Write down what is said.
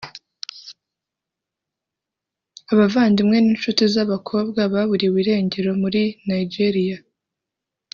Abavandimwe n’inshuti z’abakobwa baburiwe irengero muri Nigeriya